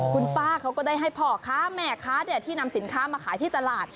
คุณป้าเขาก็ได้ให้พ่อค้าแม่ค้าที่นำสินค้ามาขายที่ตลาด